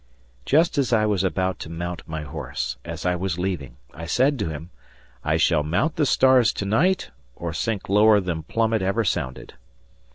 Just as I was about to mount my horse, as I was leaving, I said to him, "I shall mount the stars to night or sink lower than plummet ever sounded."